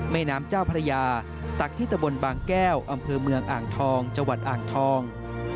แม่น้ำเจ้าพระยาตักที่ตะบนบางแก้วอำเภอเมืองอ่างทองจังหวัดอ่างทอง